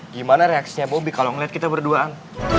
gimana reaksinya bobby kalo ngeliat kita berduaan